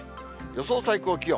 予想最高気温。